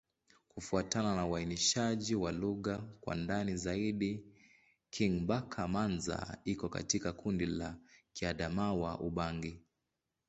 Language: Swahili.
Kufuatana na uainishaji wa lugha kwa ndani zaidi, Kingbaka-Manza iko katika kundi la Kiadamawa-Ubangi.